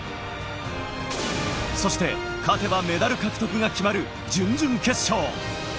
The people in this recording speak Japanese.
そして勝てばメダル獲得が決まる準々決勝。